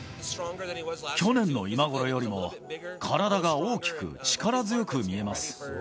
去年の今頃よりも、体が大きく、力強く見えます。